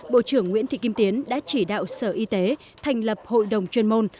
bộ trưởng nguyễn thị kim tiến đã chỉ đạo sở y tế thành lập hội đồng chuyên môn